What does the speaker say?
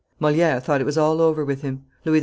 Moliere thought it was all over with him. Louis XIV.